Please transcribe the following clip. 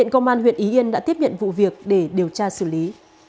công an đã tiếp nhận vụ việc để điều tra xử lý